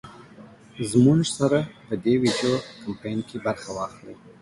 زمونږ سره په دې وېډيو کمپين کې برخه واخلۍ